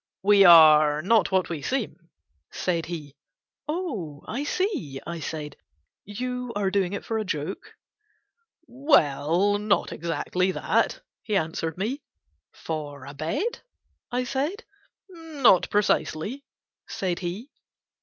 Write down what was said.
"We are not what we seem," said he. "Oh, I see," I said, "you are doing it for a joke." "Well, not exactly that," he answered me. "For a bet?" I said. "Not precisely," said he.